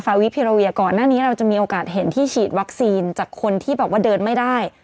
วิพิโรเวียก่อนหน้านี้เราจะมีโอกาสเห็นที่ฉีดวัคซีนจากคนที่แบบว่าเดินไม่ได้